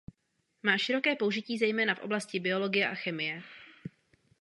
Má široké použití zejména v oblasti biologie a chemie.